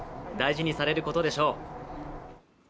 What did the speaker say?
大事にされることでしょう。